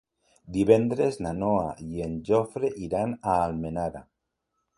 Divendres na Noa i en Jofre iran a Almenara.